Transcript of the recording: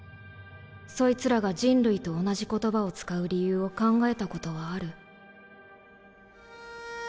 そいつらが人類と同じ言葉を使う理由を考えたことはある？